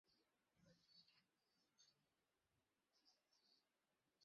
ওকে, থামাও প্লিজ।